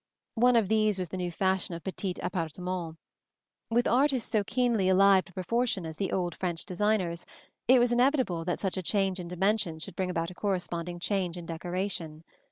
One of these was the new fashion of petits appartements. With artists so keenly alive to proportion as the old French designers, it was inevitable that such a change in dimensions should bring about a corresponding change in decoration.